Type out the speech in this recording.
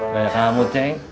banyak kamu ceng